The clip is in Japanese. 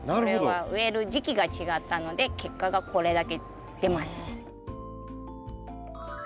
これは植える時期が違ったので結果がこれだけ出ます。